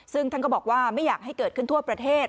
ซึ่งท่านก็บอกว่าไม่อยากให้เกิดขึ้นทั่วประเทศ